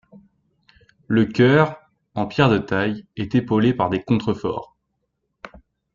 Le chœur, en pierre de taille, est épaulé par des contreforts.